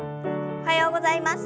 おはようございます。